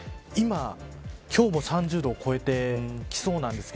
今日も３０度を超えてきそうなんです